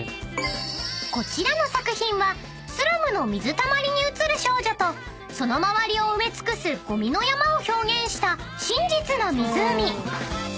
［こちらの作品はスラムの水たまりに映る少女とその周りを埋め尽くすゴミの山を表現した］